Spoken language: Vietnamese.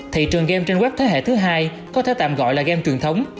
thị trường game trên web thế hệ thứ hai có thể tạm gọi là game truyền thống